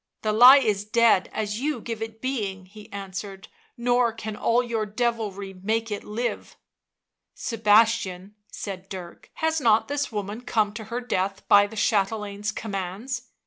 The lie is dead as you give it being," he answered —" nor can all your devilry make it live." Sebastian," said Dirk, " has not this woman come to her death by the chatelaine's commands ?"